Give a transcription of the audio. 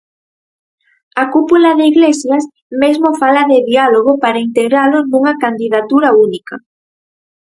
A cúpula de Iglesias mesmo fala de diálogo para integralo nunha candidatura única.